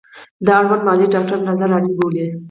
د اړوند معالج ډاکتر نظر اړین بولي